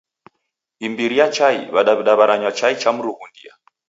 Imbiri ya chai, W'adaw'ida w'aranywa chai cha mrughundia.